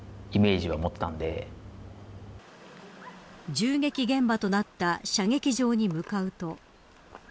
銃撃現場となった射撃場に向かうと。